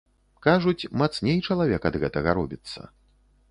Кажуць, мацней чалавек ад гэтага робіцца.